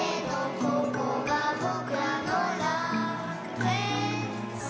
「ここがぼくらの楽園さ」